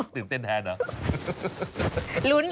ตื่นเต้นแทนเหรอ